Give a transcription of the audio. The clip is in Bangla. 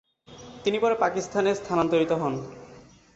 তিনি পরে পাকিস্তানে স্থানান্তরিত হন।